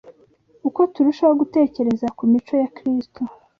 Uko turushaho gutekereza ku mico ya Kristo